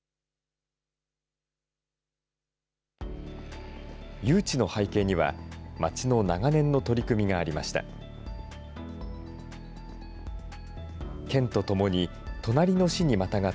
誘致の背景には、町の長年の取り組みがありました。